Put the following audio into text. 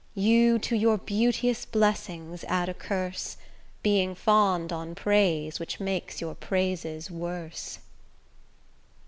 You to your beauteous blessings add a curse, Being fond on praise, which makes your praises worse.